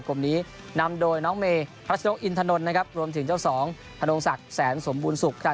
กินถนนนะครับรวมถึงเจ้าสองถนนศักดิ์แสนสมบูรณ์ศุกร์